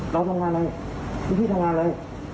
แล้วทำงานอะไรพี่พี่ทำงานอะไร